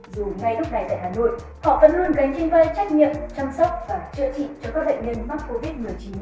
dù ngay lúc này tại hà nội họ vẫn luôn gánh trên vai trách nhiệm chăm sóc và chữa trị cho các bệnh nhân mắc covid một mươi chín